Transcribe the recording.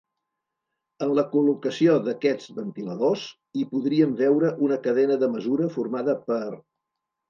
En la col·locació d'aquests ventiladors hi podríem veure una cadena de mesura formada per.